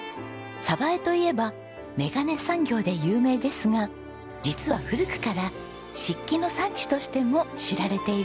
江といえば眼鏡産業で有名ですが実は古くから漆器の産地としても知られているんです。